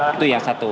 itu yang satu